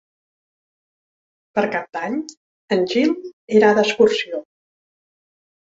Per Cap d'Any en Gil irà d'excursió.